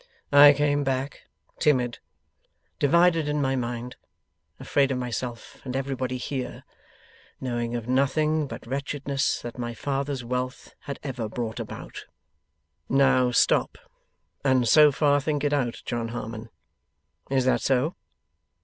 I came back, timid, divided in my mind, afraid of myself and everybody here, knowing of nothing but wretchedness that my father's wealth had ever brought about. Now, stop, and so far think it out, John Harmon. Is that so?